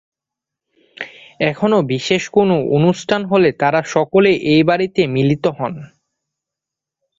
এখনো বিশেষ কোনো অনুষ্ঠান হলে তারা সকলে এই বাড়িতে মিলিত হন।